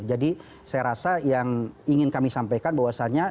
jadi saya rasa yang ingin kami sampaikan bahwasanya